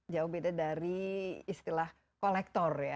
jauh beda dari istilah kolektor ya